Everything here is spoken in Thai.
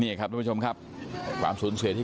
นี่ครับทุกผู้ชมครับความสูญเสียที่